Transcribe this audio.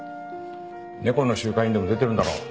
猫の集会にでも出てるんだろう。